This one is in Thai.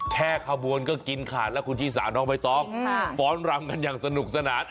แค่ขบวนก็กินขาดแล้วคุณชิสาน้องใบตองฟ้อนรำกันอย่างสนุกสนาน